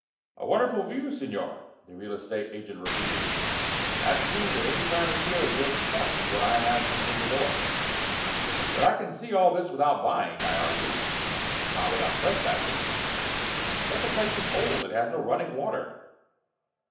"A wonderful view, Signor," the real estate agent repeated. "That scene, at any time of the year, is worth twice what I am asking for the villa." "But I can see all this without buying," I argued. "Not without trespassing." "But the place is old. It has no running water."